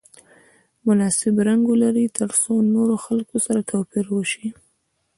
مناسب رنګ ولري ترڅو له نورو خلکو سره توپیر وشي.